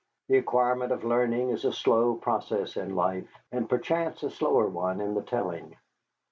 The acquirement of learning is a slow process in life, and perchance a slower one in the telling.